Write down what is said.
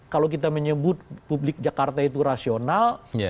kalau kita menyebut publik jakarta itu rasional